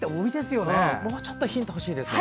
もうちょっとヒント欲しいですね。